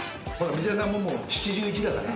水谷さんももう７１だから。